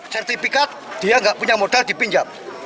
sertifikat dia nggak punya modal dipinjam